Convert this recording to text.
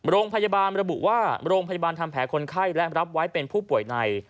โรงพยาบาลระบุว่าโรงพยาบาลทำแผลคนไข้และรับไว้เป็นผู้ป่วยใน